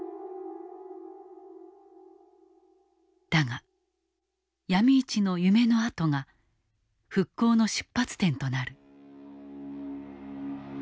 だがヤミ市の夢の跡が復興の出発点となる。